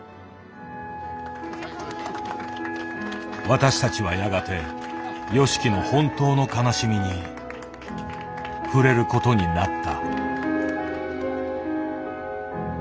私たちはやがてＹＯＳＨＩＫＩの本当の悲しみに触れることになった。